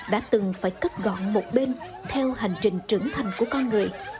đã từng phải cất gọn một bên theo hành trình trưởng thành của con người